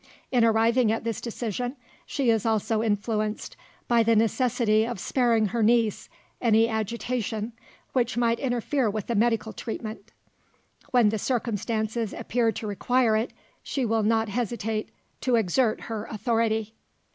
In arriving at this decision, she is also influenced by the necessity of sparing her niece any agitation which might interfere with the medical treatment. When the circumstances appear to require it, she will not hesitate to exert her authority."